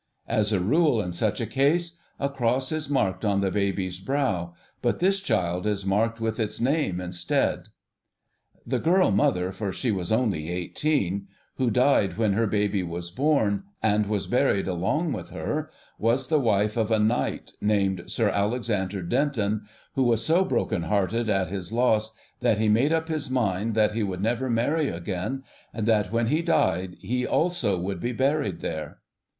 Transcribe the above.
As a rule in such a case, a cross is marked on the baby's brow, but this child is marked with its name instead. The girl mother, for she was only eighteen, who died when her baby was born, and was buried along with her, was the wife of a knight named Sir Alexander Denton, who was so broken hearted at his loss that he made up his mind that he would never marry again, and that when he died he also would be buried here.